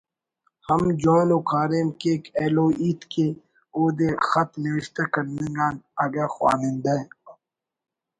ہم جوان ءُ کاریم کیک ایلوہیت کہ اودے خط نوشتہ کننگ آن (اگہ خوانند ہ